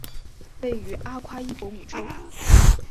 位于阿夸伊博姆州。